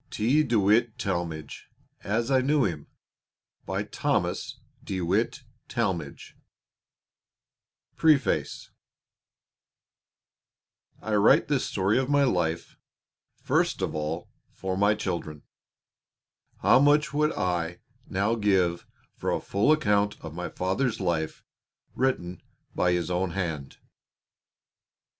T. DE WITT TALMAGE FACSIMILE OF PRESIDENT ABRAHAM LINCOLN'S LETTER PREFACE I write this story of my life, first of all for my children. How much would I now give for a full account of my father's life written by his own hand!